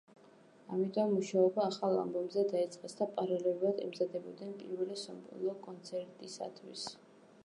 ამიტომ მუშაობა ახალ ალბომზე დაიწყეს და პარალელურად ემზადებოდნენ პირველი სოლო კონცერტისათვის.